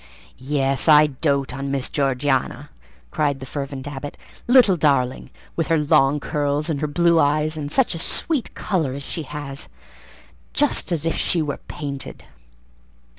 "Yes, I doat on Miss Georgiana!" cried the fervent Abbot. "Little darling!—with her long curls and her blue eyes, and such a sweet colour as she has; just as if she were painted!